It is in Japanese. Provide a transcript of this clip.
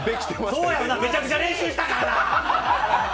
そうやろな、めちゃくちゃ練習したからな！